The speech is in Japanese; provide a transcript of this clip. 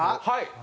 はい。